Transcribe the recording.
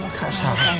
jangan sampai aku nangis